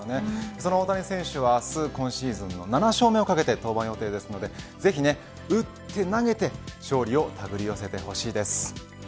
その大谷選手は明日、今シーズン７勝目を懸けて登板予定ですのでぜひ、打って投げて勝利を手繰り寄せてほしいです。